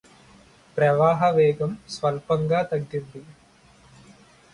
ప్రవాహ వేగం స్వల్పంగా తగ్గింది